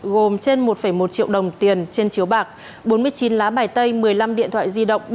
gồm trên một một triệu đồng tiền trên chiếu bạc bốn mươi chín lá bài tay một mươi năm điện thoại di động